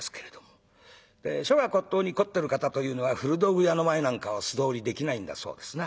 書画骨董に凝ってる方というのは古道具屋の前なんかを素通りできないんだそうですな。